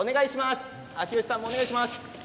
秋吉さん、お願いします。